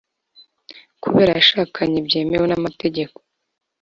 Kabera yashakanye byemewe n ‘amategeko.